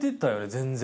全然。